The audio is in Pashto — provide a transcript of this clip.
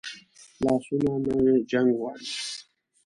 لاسونه نه جنګ غواړي